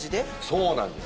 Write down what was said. そうなんです。